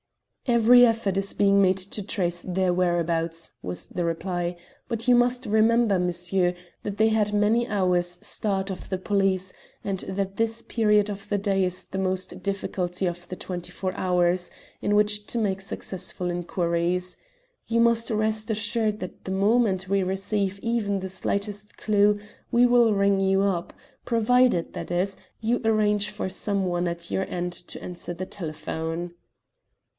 "Every effort is being made to trace their whereabouts," was the reply, "but you must remember, monsieur, that they had many hours' start of the police, and that this period of the day is the most difficult of the twenty four hours in which to make successful inquiries. You must rest assured that the moment we receive even the slightest clue we will ring you up, provided, that is, you arrange for someone at your end to answer the telephone."